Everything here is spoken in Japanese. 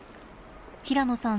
平野さん